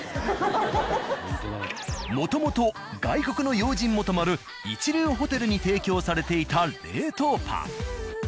もともと外国の要人も泊まる一流ホテルに提供されていた冷凍パン。